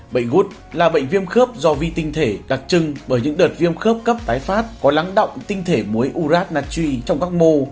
bệnh gút là bệnh viêm khớp do vi tinh thể đặc trưng bởi những đợt viêm khớp cấp tái phát có lắng động tinh thể muối urat natri trong các mô